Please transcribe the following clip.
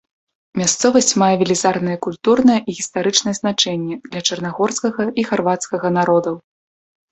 Мясцовасць мае велізарнае культурнае і гістарычнае значэнне для чарнагорскага і харвацкага народаў.